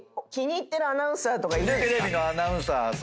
フジテレビのアナウンサーさ